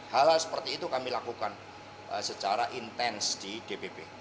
hal hal seperti itu kami lakukan secara intens di dpp